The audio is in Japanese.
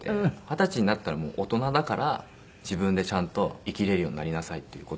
二十歳になったらもう大人だから自分でちゃんと生きられるようになりなさいっていう事で。